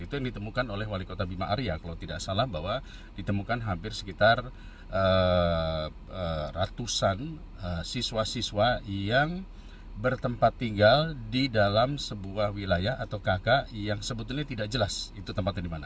itu yang ditemukan oleh wali kota bima arya kalau tidak salah bahwa ditemukan hampir sekitar ratusan siswa siswa yang bertempat tinggal di dalam sebuah wilayah atau kk yang sebetulnya tidak jelas itu tempatnya di mana